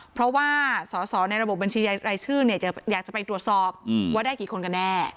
เพราะว่าสอบบัญชีรายชื่ออยากจะไปตรวจสอบว่าได้กี่คนกันแน่